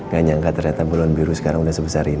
gak nyangka ternyata bulan biru sekarang udah sebesar ini ya